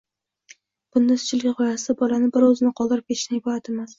Bunda, izchillik g‘oyasi – bolani bir o‘zini qoldirib ketishdan iborat emas